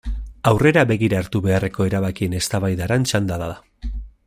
Aurrera begira hartu beharreko erabakien eztabaidaran txanda da.